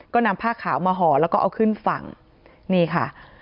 ก็นำผ้าขาวมาห่อแล้วก็เอาขึ้นฝั่งนี่ค่ะ